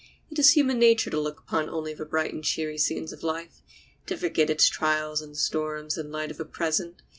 It is human nature to look upon only the bright and cheery scenes of life, to forget its trials and storms in the light of the present.